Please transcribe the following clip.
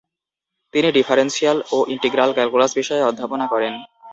তিনি ‘ডিফারেন্সিয়াল ও integral calculus ‘বিষয়ে অধ্যাপনা করেন।